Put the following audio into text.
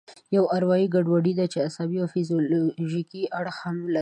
یوه اروایي ګډوډي ده چې عصبي او فزیولوژیکي اړخ هم لري.